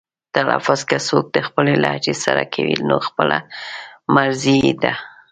تلفظ که څوک د خپلې لهجې سره کوي نو خپله مرزي یې ده.